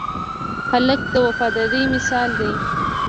هلک د وفادارۍ مثال دی.